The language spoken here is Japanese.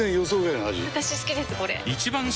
私好きですこれ！